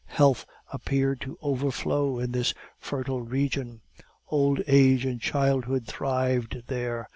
Health appeared to overflow in this fertile region; old age and childhood thrived there.